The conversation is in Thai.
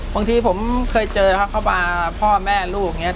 บางทีผมเคยเจอครับเขามาพ่อแม่ลูกอย่างนี้